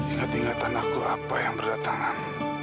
ingat ingatan aku apa yang berdatangan